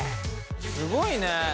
すごいね。